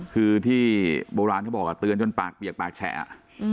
คือที่โบราณเขาบอกเตือนจนปากเปียกปากแฉะ